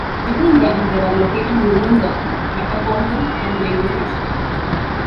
Between them there are located the ruins of Metapontum and the railway station.